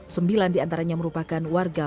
sembilan diantaranya merupakan warga